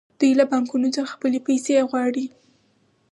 دوی له بانکونو څخه خپلې پیسې غواړي